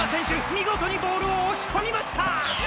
見事にボールを押し込みました！